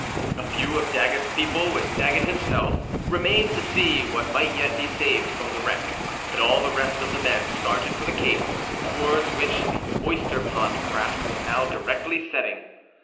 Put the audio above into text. A few of Daggett's people, with Daggett himself, remained to see what might yet be saved from the wreck; but all the rest of the men started for the cape, towards which the Oyster Pond craft was now directly setting.